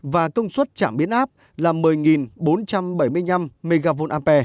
và công suất chảm biến áp là một mươi bốn trăm bảy mươi năm mw